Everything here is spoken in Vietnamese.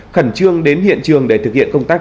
khẩn trương đến hiện trường để thực hiện công tác